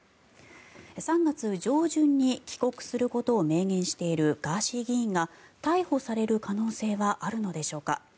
３月上旬に帰国することを明言しているガーシー議員が逮捕される可能性はあるのでしょうか。